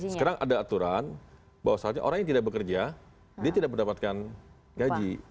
sekarang ada aturan bahwa saatnya orang yang tidak bekerja dia tidak mendapatkan gaji